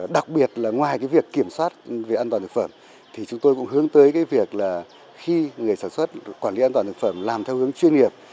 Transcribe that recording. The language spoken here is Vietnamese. đặc biệt là ngoài việc kiểm soát về an toàn thực phẩm chúng tôi cũng hướng tới việc khi người sản xuất quản lý an toàn thực phẩm làm theo hướng chuyên nghiệp